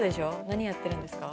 何やってるんですか？